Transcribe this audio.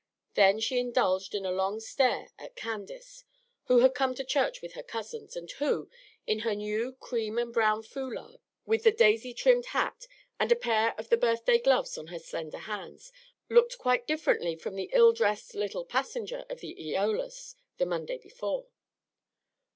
Then she indulged in a long stare at Candace, who had come to church with her cousins, and who, in her new cream and brown foulard, with the daisy trimmed hat, and a pair of the birthday gloves on her slender hands, looked quite differently from the ill dressed little passenger of the "Eolus" the Monday before.